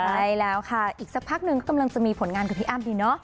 ใช่แล้วค่ะอีกสักพักหนึ่งก็กำลังจะมีผลงานกับพี่อ้ำดีเนาะ